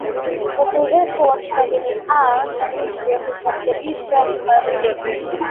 upungufu wa vitamini A lishe husababisha kuharisha